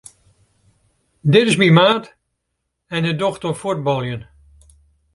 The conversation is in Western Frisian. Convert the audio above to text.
Dit is myn maat en hy docht oan fuotbaljen.